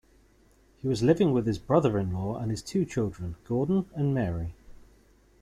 He was living with his brother-in-law and his two children, Gordon and Mary.